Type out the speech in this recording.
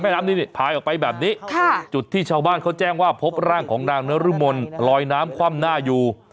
น้ำนี่พายออกไปแบบนี้ค่ะจุดที่ชาวบ้านเขาแจ้งว่าพบร่างของนางนรมนลอยน้ำคว่ำหน้าอยู่